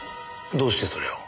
どうしてそれを？